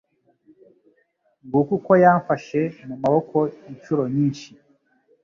Nguko uko yamfashe mu maboko inshuro nyinshi